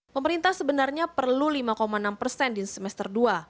pemerintah sebenarnya perlu lima enam persen di semester dua